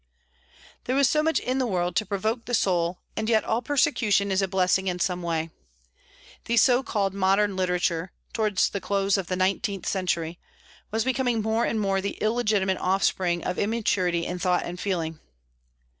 There was so much in the world to provoke the soul, and yet all persecution is a blessing in some way. The so called modern literature, towards the close of the nineteenth century, was becoming more and more the illegitimate offspring of immaturity in thought and feeling.